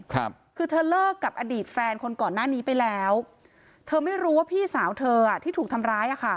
ครับคือเธอเลิกกับอดีตแฟนคนก่อนหน้านี้ไปแล้วเธอไม่รู้ว่าพี่สาวเธออ่ะที่ถูกทำร้ายอ่ะค่ะ